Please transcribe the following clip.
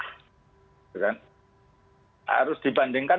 kan harus dibandingkan